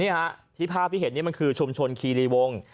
นี่ฮะที่ภาพที่เห็นนี่มันคือชุมชนคีรีวง